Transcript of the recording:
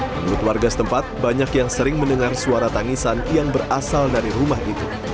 menurut warga setempat banyak yang sering mendengar suara tangisan yang berasal dari rumah itu